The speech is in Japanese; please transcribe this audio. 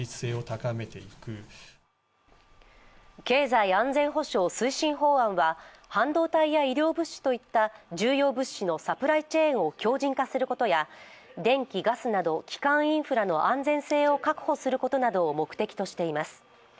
経済安全保障推進法案は半導体や医療物資といった重要物資のサプライチェーンを強じん化することや電気ガスなど、基幹インフラの安全性を確保することなどを目的としています